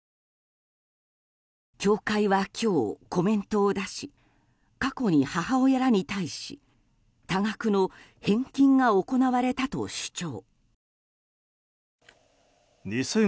教会は今日、コメントを出し過去に母親らに対し多額の返金が行われたと主張。